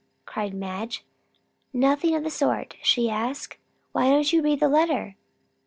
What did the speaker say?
cried Madge. "Nothing of the sort. She asks " "Why don't you read the letter?"